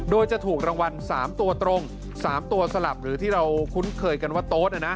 โดยจะถูกรางวัล๓ตัวตรง๓ตัวสลับหรือที่เราคุ้นเคยกันว่าโต๊ด